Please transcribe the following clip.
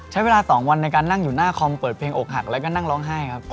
ใช้เวลา๒วันในการนั่งอยู่หน้าคอมเปิดเพลงอกหักแล้วก็นั่งร้องไห้ครับ